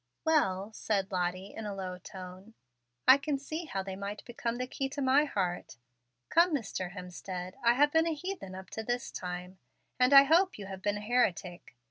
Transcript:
"Well," said Lottie, in a low tone, "I can see how they might become the key to my heart. Come, Mr. Hemstead, I have been a heathen up to this time; and I hope you have been a heretic.